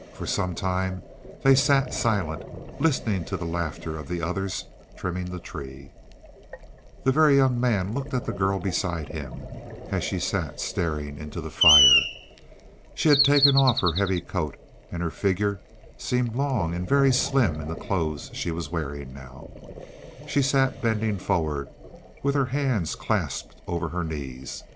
For some time they sat silent, listening to the laughter of the others trimming the tree. The Very Young Man looked at the girl beside him as she sat staring into the fire. She had taken off her heavy coat, and her figure seemed long and very slim in the clothes she was wearing now. She sat bending forward, with her hands clasped over her knees.